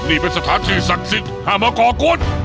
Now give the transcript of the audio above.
นี่เป็นสถานที่ศักดิ์สิทธิ์ห้ามมาขอคุณ